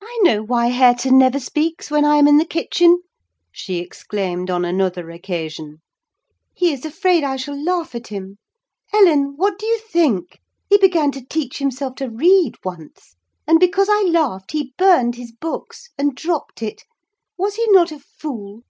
"I know why Hareton never speaks, when I am in the kitchen," she exclaimed, on another occasion. "He is afraid I shall laugh at him. Ellen, what do you think? He began to teach himself to read once; and, because I laughed, he burned his books, and dropped it: was he not a fool?"